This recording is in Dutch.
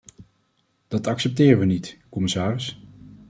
Dat accepteren we niet, commissaris.